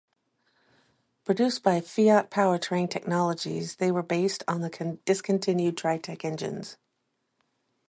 Produced by Fiat Powertrain Technologies, they were based on the discontinued Tritec engines.